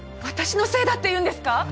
私のせいだって言うんですか？